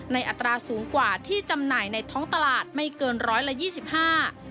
ในอัตราสูงกว่าที่จำหน่ายในท้องตลาดไม่เกิน๑๒๕ล้านบาท